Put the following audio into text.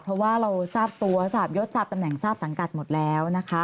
เพราะว่าเราทราบตัวทราบยศทราบตำแหน่งทราบสังกัดหมดแล้วนะคะ